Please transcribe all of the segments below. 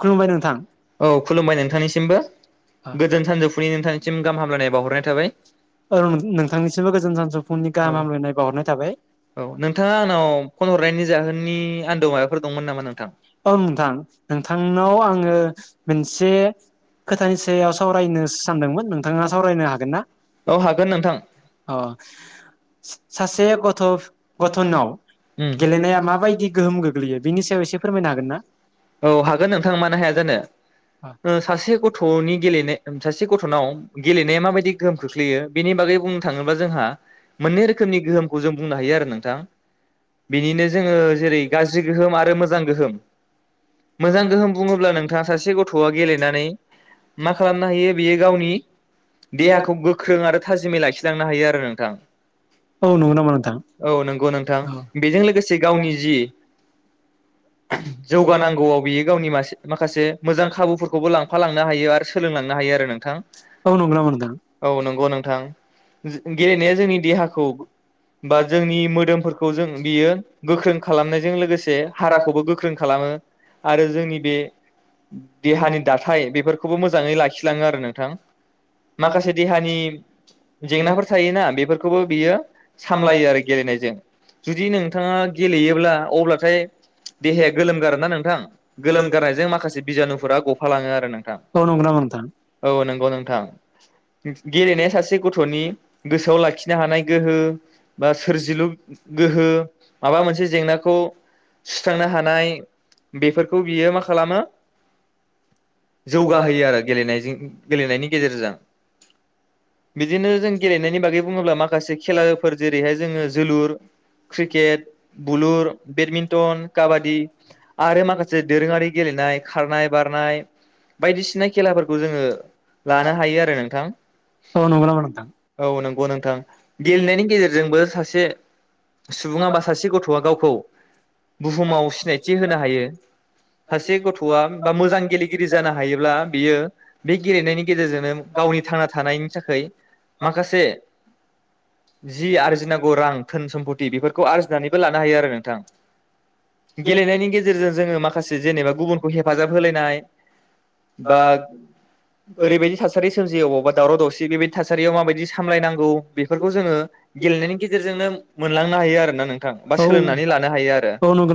खुलुमबाय नोंथां औ खुलुमबाय नोंथांनिसिमबो गोजोन सानजौफुनि नोंथां सिम गाहाम हामलायनाय बावहरनाय थाबाय। औ नोंथांनिसिमबो गोजोन सानजौफुंनि गाहाम औ हामलायनाय बावहरनाय थाबाय औ नोंथाङा आंनाव फन हरनायनि जाहोननि आन्दोआव माबाफोर दंमोन नामा नों थां? औ नोंथां नोंथांनाव आङो मोनसे खोथानि सायाव सावरायनो सानदोंमोन नोंथाङा सावरायनो हागोन ना? औ हागोन नोंथां अ स-सासे गथ'-गथ'नाव गेलेनाया माबायदि गोहोम गोग्लैयो बेनि सायाव एसे फोरमायनो हागोन ना [unintelligible] औ हागोन नोंथां मानो हाया जानो ओह सासे गथ'नि गेलेनाय सासे गथ'नाव गेलेनाया माबायदि गोहोम खोख्लैयो बेनि बागै बुंनो थाङोबा जोंहा मोननै रोखोमनि गोहोमखौ जों बुंनो हायो आरो नों थां बिनिनो जोङो जेरै गाज्रि गोहोम आरो मोजां गोहोम। मोजां गोहोम बुङोब्ला नोंथाङा सासे गथ'आ गेलेनानै मा खालामनो हायो बेयो गावनि देहाखौ गोख्रों आरो थाजिमै लाखिलांनो हायो आरो नोंथां। औ नंगौ नामा नोंथां औ नंगौ नोंथां बेजों लोगोसे गावनि जि जौगानां गौआव बियो गावनि मासे-माखासे मोजां खाबुफोरखौबो लांफा लांनो हायो आरो सोलोंलांनो हायो आरो नोंथां। औ नंगौ नामा नोंथां औ नंगौ नोंथां। जे-गेलेनाया जोंनि देहाखौ बा जोंनि मोदोमफोरखौ जों बियो गोख्रों खालामनायजों लोगोसे हाराखौबो गोख्रों खालामो। आरो जोंनि बे देहानि दाथाय बेफोरखौबो मोजाङै लाखिलाङो आरो नोंथां। माखासे देहानि जेंनाफोर थायोना बेफोरखौबो बियो सामलायो आरो गेलेनायजों जुदि नोंथाङा गेलेयोब्ला अब्लाथाय देहाया गोलोमगारना नों थां गोलोम गारनायजों माखासे बिजानुफोरा गफालाङो आरो नोंथां औ नंगौ नामा नोंथां औ नंगौ नोंथां [inaudible] गेलेनाया सासे गथ'नि गोसोआव लाखिनो हानाय गोहो बा सोरजिलु गोहो माबा मोनसे जेंनाखौ सुस्रांनो हानाय बेफोरखौ बियो मा खालामो जौगाहोयो आरो गेलेजों गेलेनायनि गेजेरजों बिदिनो जों गेलेनायनि बागै बुङोब्ला माखासे खेलाफोर जेरैहाय जोङो जोलुर, क्रिकेट, बुलुर, बेडमिन्टन, काबादि आरो माखासे दोरोङारि गेलेनाय खारनाय-बारनाय बायदिसिना खेलाफोरखौ जोङो लानो हायो आरो नोंथां औ नंगौ नामा नोंथां औ नों गौ नोंथां गेलेनायनि गेजेरजोंबो सासे सुबुङा बा सासे गथ'आ गावखौ बुहुमाव सिनायथि होनो हा हायो सासे गथ'आ बा मोजां गेलेगिरि जानो हायोब्ला बियो बे गेलेनायनि गेजेरजोंनो गावनि थांना थानायनि थाखाय माखासे जि आरजिनांगौ रां धोन सम्फथि बेफोरखौ आरजिनानैबो लानो हायो आरो नोंथां गेलनायनि गेजे जेरजों जोङो माखासे जेनेबा गुबुनखौ हेफाजाब होलायनाय बा ओरैबायदि थासारि सोमजियो अबावबा दावराव दावसि बेबायदि थासारियाव माबायदि सामलायनांगौ बेफोरखौ जोङो गेलेनायनि गेजेरजोंनो मोनलांनो हायो आरोना नोंथां बा सोलोंनानै लानो हायो आरो हायो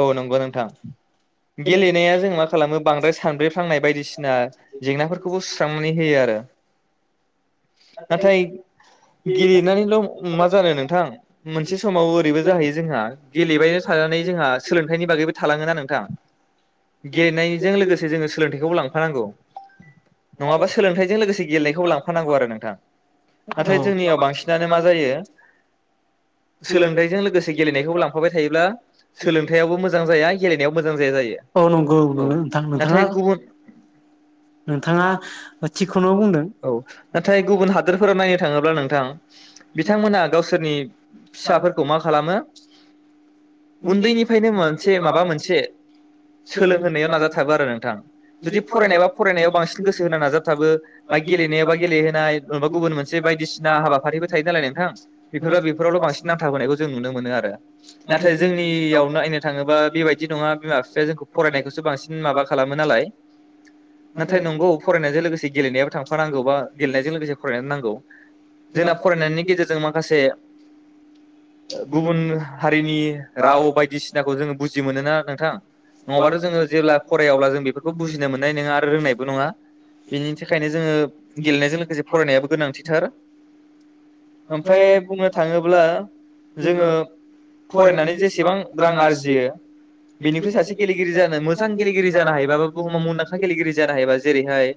औ नंगौ नोंथां गेलेनाया जों मा खालामो बांद्राय सानब्रे फ्लांनाय बायदिसिना जेंनाफोरखौबो सुस्रांनानै होयो आरो [unintelligible] नाथाय गेलेनानैल' मा जानो नोंथां मोनसे समाव ओरैबो जाहैयो जोंहा गेलेबाय थानानै जोंहा थाइनि बागैबो थालाङोन ना नोंथां गेलेनायजों लोगोसे जोङो सोलोंथायाइखौबो लांफानांगौ नङाबा सोलोंथाइजों लोगोसे गेलेनायखौबो लांफानांगौ आरो नोंथां नाथाय जोंनियाव बांसिनानो मा जायो सोलोंथाइजों लोगोसे गेलेनायखौबो लांफाबाय थायोब्ला सोलोंथायाइ आवबो मोजां जाया गेलेनायाव मोजां जाया जायो आरो नंगौ नामा नोंथां औ नंगौ औ नंगौ नोंथां नोंथाङा नाथाय गुबुन नोंथाङा थिखखौनो बुंदों औ नाथाय गुबुन हादोरफोराव नायनो थाङोब्ला नोंथां बिथांमोनहा गावसोरनि फिसाफोरखौ मा खालामो उन्दैनिफ्रायनो मोनसे माबा मोनसे सोलोंहोनायाव नाजाथाबो आरो नोंथां जुदि फरायनायबा फरायनायाव बांसिन गोसो होना नाजाथाबो बा गेलेनायावबा गेलेहोनाय नाबा गुबुन मोनसे बायदिसिना हाबाफारिबो थायो नालाय नोंथां बेफोरबा बेफोरावल' बांसिन नांथाबोनायखौ जों नुनो मोनो आरो। आरो जोंनियावनो नायनो थाङोबा बेबायदि नङा बिमा बिफाया जोंखौ फरायनायखौसो बांसिन माबा खालामो नालाय नाथाय नंगौ फरायनायजों लोगोसे गेलेनायाबो थांफानांगौ बा गेलेनायजों लोगोसे फरायनायबो नांगौ जोंना फरायनायनि गेजेरजों माखासे गुबुन हारिनि राव बायदिसिनाखौ जोङो बुजि मोनोना नोंथां नङाबाथ' जोङो जेब्ला फरायाब्ला जों बेफोरखौ बुजिनो मोननाय नङा आरो रोंनायबो नङा बेनि थाखायनो जोङो गेलेनायजों लोगोसे फरायनायाबो गोनांथिथार। ओमफाय बुंनो थाङोब्ला जोङो फरायनानै जेसेबां रां आरजियो बेनिफ्राय सासे गेलेगिरि जानो मोजां गेलेगिरि जानो हायोबा बा बुहुमाव मुंदांखा गेलेगिरि जानो हायोबा जेरैहाय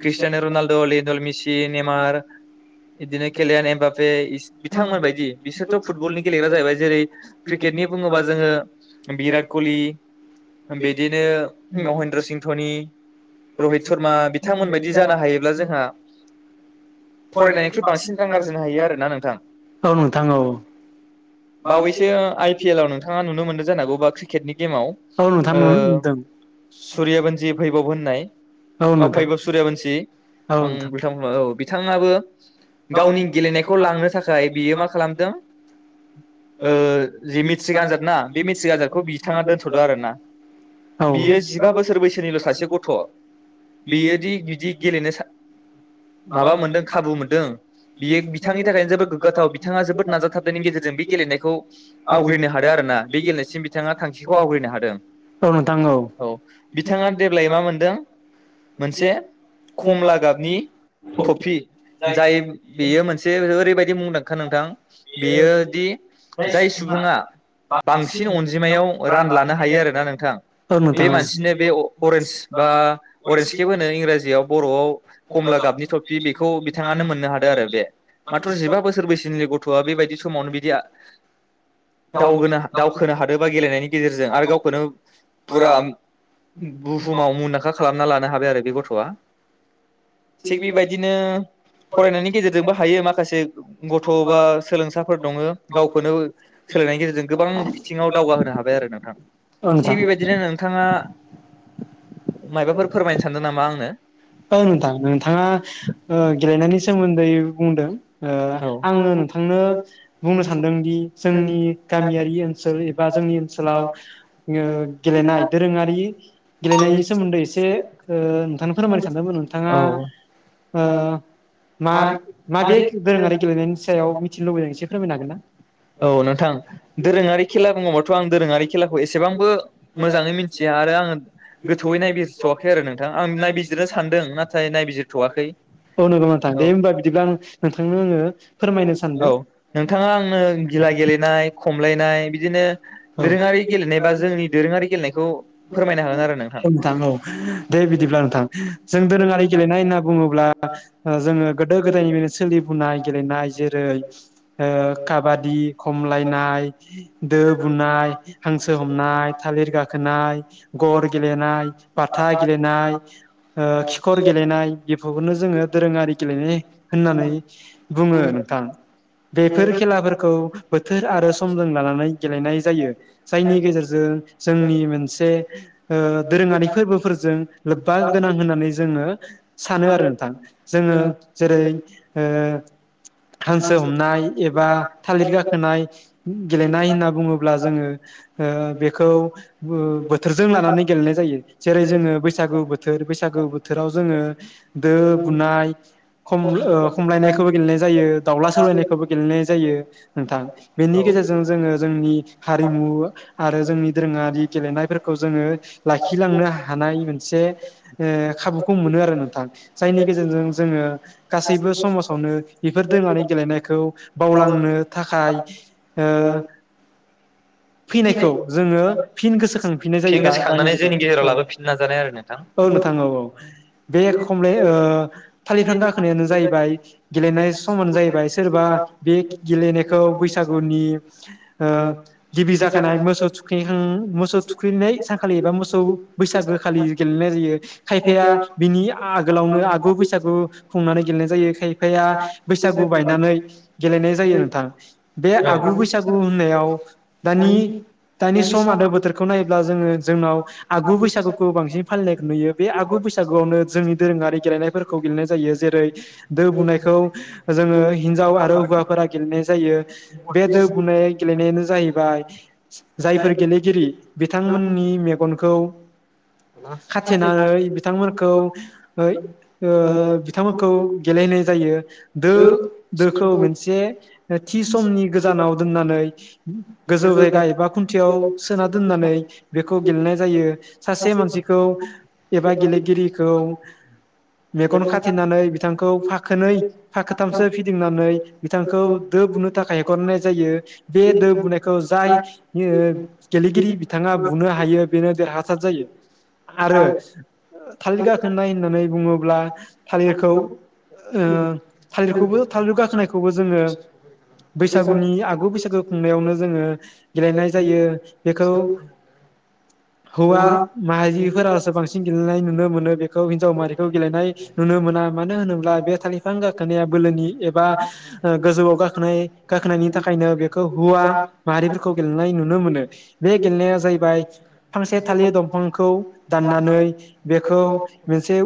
Cristiano Ronaldo Lionel Messi Neymar बिदिनो केलियान एम्बापे बिथांमोन बायदि बिसोरथ' फुटबलनि गेलेग्रा जाहैबाय जेरै क्रिकेट नि बुङोबा जोङो भिराट कलि बिदिनो महेन्द्र सिं धोनि रहित शर्मा बिथांमोन बायदि जानो हायोब्ला जोंहा फरायनायनिख्रुइ बांसिन रां आरजिनो हायो आरो ना नोंथां औ नोंथां औ बावै [unintelligible] पि एल आव नोंथाङा नुनो मोन्दों जानो हांगौ बा क्रिकेटनि गेमाव औ नोंथां ओ नुनो मोनदों सुरियाबन्सि भैबब होननाय औ भैबब सुरियाबन्सि आं उल्थां फाल्थां औ बिथाङाबो गावनि गेलेनायखौ लांनो थाखाय बियो मा खालामदों ओ जि मेट्रिक आनजाद ना बे मेट्रिक आनजादखौ बिथाङा दोनथ'दों आरोना बियो जिबा बोसोर बैसोनिल' सासे गथ' बियोदि बिदि गेलेनो सा माबा मोनदों खाबु मोनदों बियो बिथांनि थाखायनो जोबोद गोग्गाथाव बिथाङा जोबोद नाजाथाबनायनि गेजेरजों बि गेलेनायखौ आवग्रिनो हादों आरो ना बे गेलेनायसिम बिथाङा थांखिखौ आवग्रिनो हादों औ नोंथां औ बिथाङा देब्लाय मा मोनदों मोनसे खमला गाबनि थफि जाय बेयो मोनसे ओरैबायदि मुंदांखा नोंथां बेयोदि जाय सु सुबुङा बांसिन अनजिमायाव रान लानो हायो आरोना नोंथां बे मानसिनो बे अरेन्ज बा अरेन्सकेप होनो इंराजियाव बर'आव कमला गाबनि ट्रफि बेखौ बिथाङानो मोननो हादों आरो बे माथ्र' जिबा बोसोर बैसोनि गथ'आ बेबायदि समावनो बिदि आ दावगोनो हा दावखोनो हादोबा गेलेनायनि गेजेरजों आरो गावखौनो फुरा बुहुमाव मुंदांखा खालामना लानो हाबाय आरो बे गथ' वा थिग बेबायदिनो फरायनायनि गेजेरजोंबो हायो माखासे गथ' बा सोलोंसाफोर दङ गावखौनो सोलायनायनि गेजेरजों गोबां बिथिङाव दावगाहोनो हाबाय आरो नोंथां औ नोंथां थिग बेबायदिनो नोंथाङा मायबाफोर फोरमायनो सानदों नामा आंनो? [unintelligible] ओ नोंथां नोंथाङा ओ गेलेनायनि सोमोन्दै बुंदों ओ औ आं आङो नोंथांनो बुंनो सानदोंदि जों नि गामियारि ओनसोल एबा जोंनि ओनसोलाव ओ गेलेनाय दोरोङारि गेलेनायनि सोमोन्दै एसे ओ नोंथांनो फोरमायनो सानदोंमोन ओ नोंथाङा औ मा-माबे दोरोङारि गेलेनायनि सायाव मिथिनो लुबैदों एसे फोरमायनो हागोन ना? औ नोंथां दोरोङारि खेला बुङोबाथ' आं दोरोङारि खेलाखौ एसेबांबो मोजाङै मिथिया आरो आङो थौयै नायबिजिरथ'वाखै आरो नोंथां आं नायबिजिरनो सानदों नाथाय नायबिजिरथ'वाखै औ नंगौ नोंथां औ दे होमबा बिदिब्ला आं नोंथांनो आङो फोरमायनो औ सानदों। नोंथाङा आंनो गिला गेलेनाय खमलायनाय बि बिदिनो औ दोरोङारि गेलेनाय बा जोंनि दोरोङारि गेलेनायखौ फोरमायनो हागोन आरो औ नोंथां औ दे बिदिब्ला नोंथां जों दोरोङारि गेलेनाय होनना बुङोब्ला ओ जोङो गोदो गोदायनिफायनो सोलिबोनाय नोंथां गेलेनाय जेरै ओ काबादि खमलायनाय दोब बुनाय हांसो हमनाय थालिर गाखोनाय गर गेलेनाय बाथा गेलेनाय ओ खिखर गेलेनाय बेफोरखौनो जोङो दोरोङारि गेलेनाय होननानै बुङो नोंथां बेफोर खेलाफोरखौ बोथोर आरो समजों लानानै गेलेनाय जायो जायनि गेजेरजों जोंनि मोनसे ओ दोरोङारि फोरबोफोरजों लोब्बा गोनां होननानै जोङो सानो आरो नोंथां जोङो जेरै ओ हांसो हमनाय एबा थालि गाखोनाय गेलेनाय होनना बुङोब्ला जोङो ओ बेखौ बो-बोथोरजों लानानै गेलेनाय जायो जेरै जोङो बैसागु बोथोर बैसागु बोथोराव जोङो दो बुनाय खम ओ खमलायनायखौबो गेलेनाय जायो दाउला सलायनायखौबो गेलेनाय जायो नोंथां बेनि गेजेरजों जोङो जोंनि हारिमु आरो जोंनि दोरोङारि गेलेनायफोरखौ जोङो लाखिलांनो हानाय मोनसे ओ खाबुखौ मोनो आरो नोंथां जायनि गेजेरजों जोङो गासैबो समाजावनो बेफोर दोरोङारि गेलेनायखौ बावलांनो थाखाय ओ फैनायखौ जोङो फिन गोसोखांफिननाय जायो दा दानि जुगाव जोंनि गेजेराव औ लाबोफिननो नाजानाय आरो नोंथां औ नोंथां औ औ बे खमलाइ ओ थालिर बिफां गाखोनायानो जाहैबाय गेलेनाय समानो जाहैबाय सोरबा बे गेलेनायखौ बैसागुनि ओ खानाय मोसौ थुखैखां मोसौ थुखैनाय सानखालि एबा मोसौ बैसागो खालि गेलेनाय जायो खायफाया बिनि आगोलावनो आगु बैसागु खुंनानै गेलेनाय जायो खायफाया बैसागु बायनानै गेलेनाय जायो नोंथां बे आगु बैसागु याव दानि दानि सम आरो बोथोरखौ नायोब्ला जोङो जोंनाव आगु बैसागुखौ बांसिन फालिनाय नुयो बे आगु बैसागुआवनो जोंनि दोरोङारि गेलेनायफोरखौ गेलेनाय जायो जेरै दो बोननायखौ ओ जोङो हिनजाव आरो हुवाफोरा गेलेनाय जायो बे दो बुनाय गेलेनायानो जाहैबाय जायफोर गेलेगिरि बिथांमोननि मेगनखौ खाथेनानै बिथांमोनखौ ओ बिथांमोनखौ गेलेहोनाय जायो दो दोखौ मोनसे थि समनि गोजानाव दोननानै [inaudible] गोजौ जायगा एबा खुन्थियाव सोना दोननानै बेखौ गेलेनाय जायो सासे मानसिखौ एबा गेलेगिरिखौ मेगन खाथेनानै बिथांखौ फाखोनै फाखथामसो फिदिंनानै बिथांखौ दो बुनो थाखाय हेगरहरनाय जायो। बे दो बुनायखौ ओ गेलेगिरि बिथाङा बुनो हायो बेनो देरहासार जायो आरो थालिर गाखोनाय होननानै बुङोब्ला थालिरखौ ओ थालिरखौबो थालिर गाखोनायखौबो जोङो बैसागुनि आगु बैसा बैसागो खुंनायावनो जोङो गेलेनाय जायो बेखौ हौवा माहारिफोरासो बांसिन गेलेनाय नु नुनो मोनो बेखौ हिनजाव मारिखौ गेलेनाय नुनो मोना। मानो होनोब्ला बे थालिरफां गाखोनाया बोलोनि एबा ओ गोजौआव गाखोनायनि थाखायनो बे खौ हुवा माहारिफोरखौ गेलेनाय नुनो मोनो। बे गेलेनाया जाहैबाय फांसे थालिर दंफांखौ दाननानै बे खौ मोनसे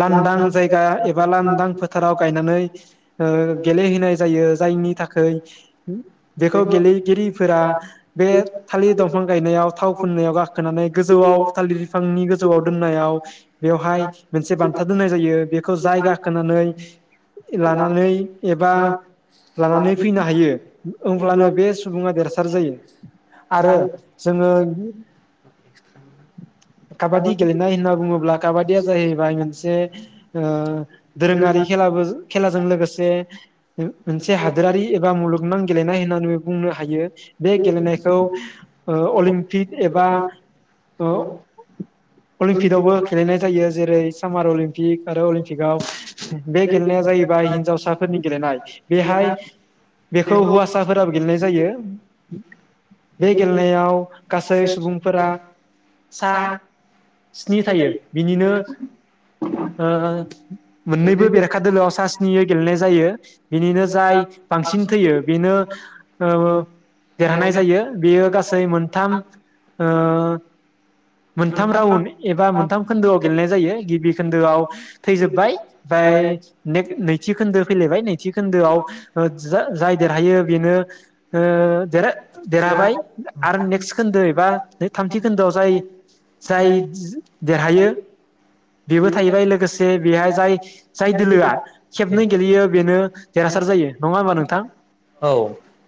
लान्दां जायगा एबा लान्दां फोथाराव गायनानै ओ गेलेहैनाय जायो जायनि थाखै बेखौ गेलेगिरिफोरा बे थालिर दंफां गायनायाव थाव फुननायाव गाखोनानै गोजौआव थालिर बिफांनि गोजौआव दोननायाव बेवहाय मोनसे बान्था दोननाय जायो। बेखौ जाय गाखोनानै लानानै एबा लानानै फैनो हायो होमब्लानो बे सुबुङा देरहासार जायो [inaudible] आरो [inaudible] काबादि गेलेनाय होनना बुङोब्ला काबादिया जाहैबाय मोनसे ओ दोरोङारि खेलाबो खेलाजों लोगोसे मोनसे हादोरारि एबा मुलुगनां गेलेनाय होननानैबो बुंनो हायो। बे गेलेनायखौ अलिम्पिक एबा अलिम्पिकआवबो गेलेनाय जायो। जेरै सामार अलिम्पिक आरो अलिम्पिकआव बे गेलेनाया जाहैबाय हिनजावसाफोरनि गेलेनाय। बेहाय खौ हौवासाफोराबो गेलेनाय जायो। बे गेलेनायाव गासै सुबुंफोरा सा स्नि थायो बिनिनो ओ मोननैबो बेरेखा दोलोआव सा स्नि गेलेनाय जायो। बिनिनो जाय बांसिन थैयो नो ओ देरहानाय जायो बेयो गासै मोन्थाम ओ मोन्थाम रान्दड एबा मोन्थाम खोन्दोआव गेलेनाय जायो। गिबि खोन्दोआव थैजोब्बाय ओमफ्राय ने-नैथि खोन्दो फैलायबाय नैथि खोन्दोआव ओ जाय देरहायो बेनो ओ देर-देरहाबाय आरो नेक्स्ट खोन्दो एबा थामथि खोन्दोआव जाय जाय देरहायो बेबो थाहैबाय लोगोसे बेहाय जाय जाय दोलोआ खेबनै गेलेयो बेनो देरहासार जायो नङा होमबा नोंथां औ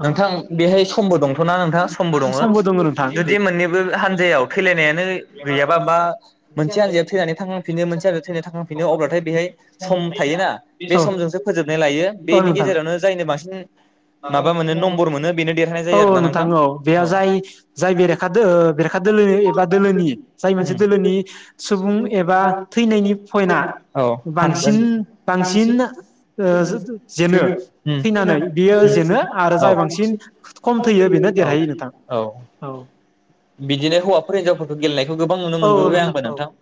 औ नोंथां बेहाय समबो दंथ' समबो दङ'ना समबो दङ नोंथां जुदि मोनैबो हान्जा औ थैलानायानो गैयाबा बा मोनसे हान्जाया थैनानै थांखां फिनो मोनसे हान्जाया थैनानै थांखांफिनो अब्लाथाय बेहाय सम थायोना बे औ समजोंसो फोजोबनाय लायो औ बेनि नोंथां गेजेरावनो जायनो बांसिन माबा मोनो नम्बर मोनो बेनो देरहानाय जायो आरोना नोथां नोंथां औ जाय बेरेखादो ओ बेरेखादो दोलो एबा दोलोनि जाय मोनसे दोलो सुबुं एबा थैनायनि पयेना बांसिन बांसिन ओ जो-जो-जेनो थैनानै बियो जेनो आरो जाय बांसिन खम थैयो बिनो देरहायो नोंथां। औ। बिदिनो हौवाफोर हिनजावफोर बो गेलेनाय खौ गोबां नुनो औ मोनबोबाय आंबो औ नोंथां।